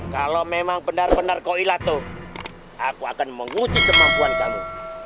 kalau memang benar benar koilato aku akan menguji kemampuan kamu